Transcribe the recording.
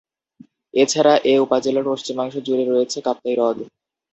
এছাড়া এ উপজেলার পশ্চিমাংশ জুড়ে রয়েছে কাপ্তাই হ্রদ।